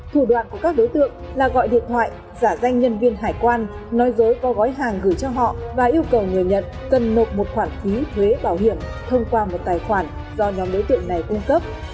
thủ đoạn của các đối tượng là gọi điện thoại giả danh nhân viên hải quan nói dối có gói hàng gửi cho họ và yêu cầu người nhận cần nộp một khoản phí thuế bảo hiểm thông qua một tài khoản do nhóm đối tượng này cung cấp